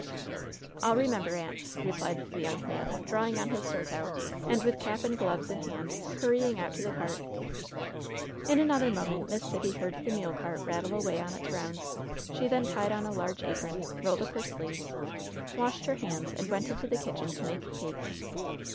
"I'll remember, aunt," replied the young man, draw ing on his "surtout," and, with cap and gloves in hand, hurrying out to the cart. In another moment Miss Sibby heard the mule cart rattle away on its rounds. She then tied on a large apron, rolled up her sleeves, washed her hands, and went into the kitchen to make cakes.